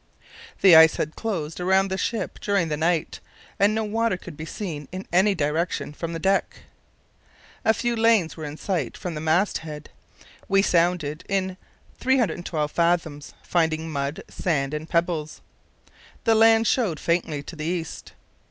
The ice had closed around the ship during the night, and no water could be seen in any direction from the deck. A few lanes were in sight from the mast head. We sounded in 312 fathoms, finding mud, sand, and pebbles. The land showed faintly to the east.